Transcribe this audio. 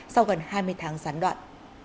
sau gần hai mươi tháng gián đoạn